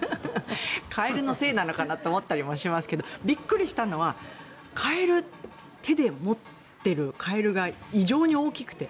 カエルのせいなのかなって思ったりもしますけどびっくりしたのはカエル手で持っているカエルが異常に大きくて。